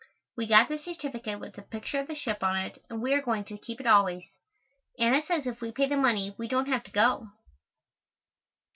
We got the certificate with a picture of the ship on it, and we are going to keep it always. Anna says if we pay the money, we don't have to go.